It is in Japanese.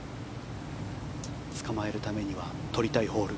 つかまえるためには取りたいホール。